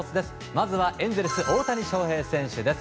まずはエンゼルス、大谷翔平選手です。